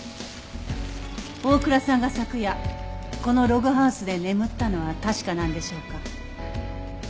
大倉さんが昨夜このログハウスで眠ったのは確かなんでしょうか？